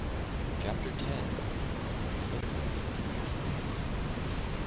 CHAPTER X. POLITICAL WORK.